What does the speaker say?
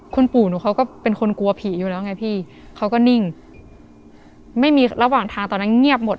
คุณปู่หนูเขาก็เป็นคนกลัวผีอยู่แล้วไงพี่เขาก็นิ่งไม่มีระหว่างทางตอนนั้นเงียบหมด